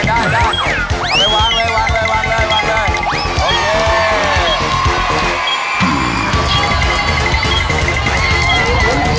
เอาไปวางเลยวางเลยวางเลย